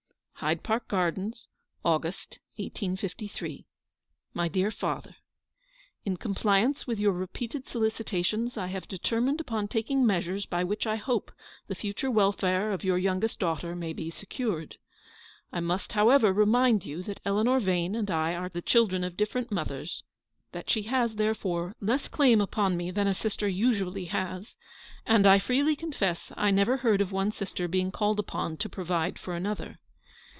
Hyde Park Gardens, August, 1S53. " My dear Father, — In compliance with your repeated solicitations I have determined upon taking measures by which I hope the future welfare of your youngest daughter may be secured. " I must, however, remind you that Eleanor Yane and I are the children of different mothers ; that she has, therefore, less claim upon me than a sister usually has; and I freely confess I never heard of one sister being called upon to provide for another.